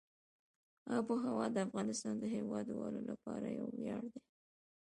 آب وهوا د افغانستان د هیوادوالو لپاره یو ویاړ دی.